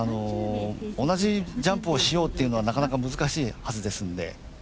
同じジャンプをしようというのはなかなか難しいはずですので。